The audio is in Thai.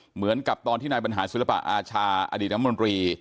เหมือนกับตอนที่นายวิทยาหสุพธิ์ธรรมการสฮรภาชาอาชาอดีตน้ำนบริ